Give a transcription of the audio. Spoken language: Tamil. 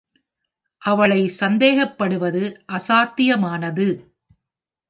அவளை சந்தேகப்படுவது அசாத்தியமானது.